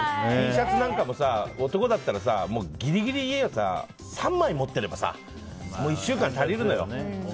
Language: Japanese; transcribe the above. Ｔシャツなんかも男だったらギリギリいえばさ３枚持ってれば１週間足りるのよ。